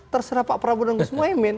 terserah pak prabowo dan gus muhaymin